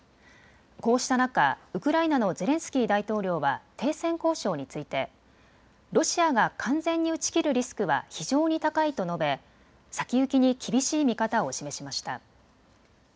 こうした中、ウクライナのゼレンスキー大統領は停戦交渉についてロシアが完全に打ち切るリスクは非常に高いと述べ、先行きに厳しい見方を示しました。